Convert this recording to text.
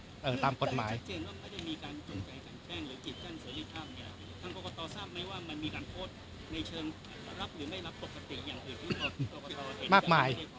แต่ไม่ได้มีการจงใจแข็งแก้งหรือจิตการเสร็จท่ามท่านกรกตทราบไหมว่ามันมีการโพสต์ในเชิงรับหรือไม่รับปกติอย่างอื่นที่หมด